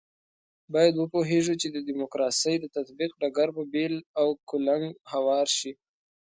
باید وپوهېږو چې د ډیموکراسۍ د تطبیق ډګر په بېل او کلنګ هوار شي.